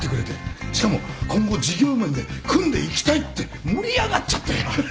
しかも今後事業面で組んでいきたいって盛り上がっちゃって。